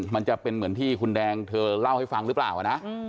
มันจะเป็นเหมือนที่คุณแดงเธอเล่าให้ฟังหรือเปล่านะ